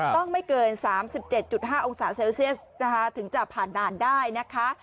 ไม่เกิน๓๗๕องศาเซลเซียสนะคะถึงจะผ่านด่านได้นะคะ